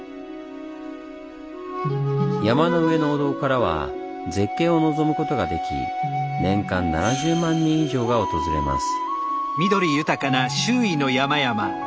山の上のお堂からは絶景を望むことができ年間７０万人以上が訪れます。